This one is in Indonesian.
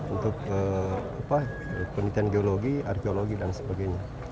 untuk penelitian geologi arkeologi dan sebagainya